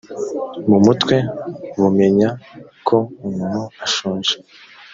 mu mutwe bumenya ko umuntu ashonje